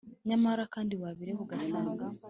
nyamara kandi wabireba ugasanga,